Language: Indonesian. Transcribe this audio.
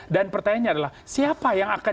dan pertanyaannya adalah siapa yang akan